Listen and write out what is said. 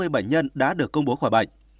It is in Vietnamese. bệnh nhân đã được công bố khỏi bệnh